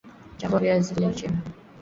Chambua viazi lishe